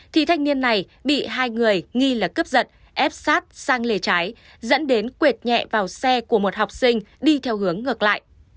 thì thanh niên này bị hai người nghi là cướp giật ép sát sang lề trái dẫn đến quẹt nhẹ vào xe của một học sinh đi theo hướng ngược lại